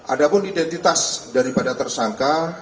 ada pun identitas daripada tersangka